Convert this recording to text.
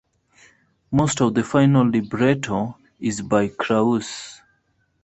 Most of the final libretto is by Krauss.